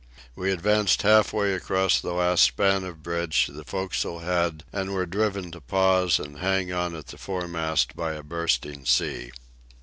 We advanced half way across the last span of bridge to the fore castle head, and were driven to pause and hang on at the foremast by a bursting sea.